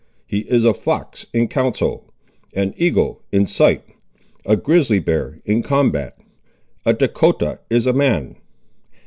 He is a fox in counsel; an eagle in sight; a grizzly bear in combat. A Dahcotah is a man!"